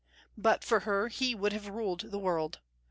But for her he would have ruled the world.